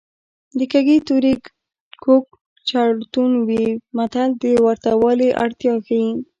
د کږې تورې کوږ چړتون وي متل د ورته والي اړتیا ښيي